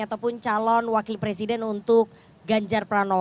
ataupun calon wakil presiden untuk ganjar peran nu